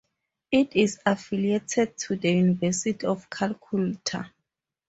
It is affiliated to the University of Calcutta.